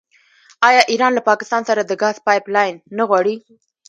آیا ایران له پاکستان سره د ګاز پایپ لاین نه غواړي؟